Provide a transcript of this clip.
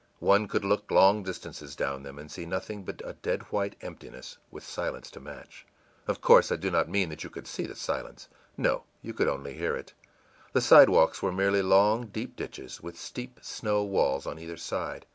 One could look long distances down them and see nothing but a dead white emptiness, with silence to match. Of course I do not mean that you could see the silence no, you could only hear it. The sidewalks were merely long, deep ditches, with steep snow walls on either side.